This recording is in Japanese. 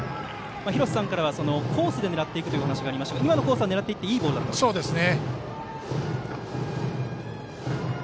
廣瀬さんからはコースを狙っていくというお話がありましたが今のコースは、狙っていってそうですね。